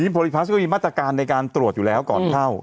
โพลิพัสก็มีมาตรการในการตรวจอยู่แล้วก่อนเข้า